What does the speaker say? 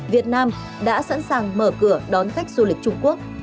việt nam đã sẵn sàng mở cửa đón khách du lịch trung quốc